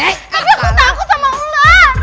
tapi aku takut sama ular